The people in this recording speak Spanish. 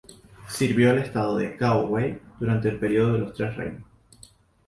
Sirvió al estado de Cao Wei durante el periodo de los Tres Reinos.